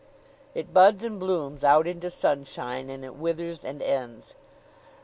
It buds and it blooms out into sunshine, and it withers and ends.